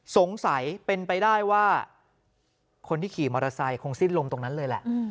สงสัยเป็นไปได้ว่าคนที่ขี่มอเตอร์ไซค์คงสิ้นลมตรงนั้นเลยแหละ